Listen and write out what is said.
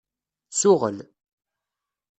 Suɣel.